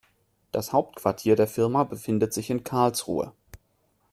Das Hauptquartier der Firma befindet sich in Karlsruhe